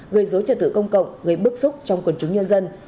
gây dối trật tự công cộng gây bức xúc trong quần chúng nhân dân